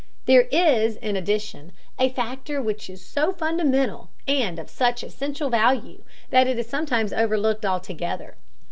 There is, in addition, a factor which is so fundamental, and of such essential value, that it is sometimes overlooked altogether.